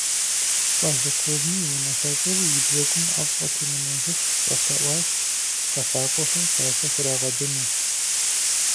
Къуажэ клубым и унафэщӀыр и бзэгум ӀэфӀ къытемынэжыху щӀэлъэӀуащ къэфакӀуэхэм фащэ хурагъэдыну.